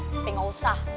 tapi gak usah